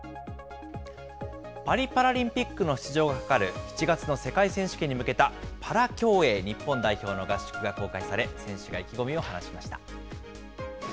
パリパラリンピックの出場がかかる７月の世界選手権に向けたパラ競泳日本代表の合宿が公開され、選手が意気込みを話しました。